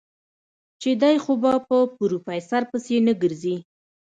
چې دی خو به په پروفيسر پسې نه ګرځي.